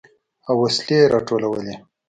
او وسلې يې راټولولې.